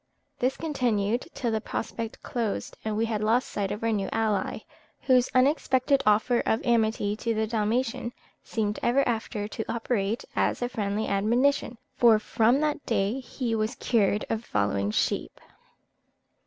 This continued till the prospect closed, and we had lost sight of our new ally, whose unexpected offer of amity to the Dalmatian seemed ever after to operate as a friendly admonition, for from that day he was cured of following sheep."